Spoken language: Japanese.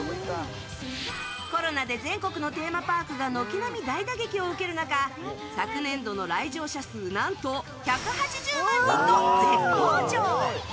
コロナで全国のテーマパークが軒並み大打撃を受ける中昨年度の来場者数何と１８０万人と絶好調。